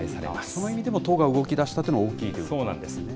そういう意味でも都が動きだしたというのは大きいということそうなんですね。